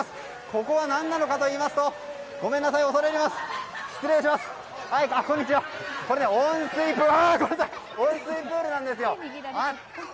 ここは何なのかといいますとこれ、温水プールなんですよ。